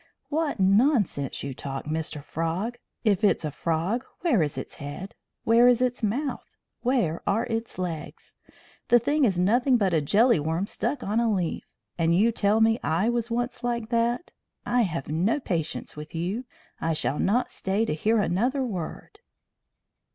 "What nonsense you talk, Mr. Frog! If it's a frog, where is its head? Where is its mouth? Where are its legs? The thing is nothing but a jelly worm stuck on a leaf. And you tell me I was once like that! I have no patience with you. I shall not stay to hear another word."